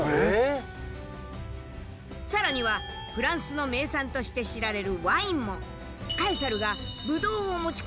更にはフランスの名産として知られるワインもすごいよ。